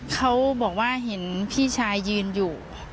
เขาบอกว่าเห็นพี่ชายยืนอยู่